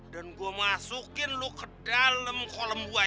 dan gue masukin lo ke dalam kolam buaya